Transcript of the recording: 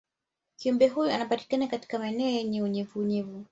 kiumbe huyo anapatikana katika maeneo yenye unyevunyevu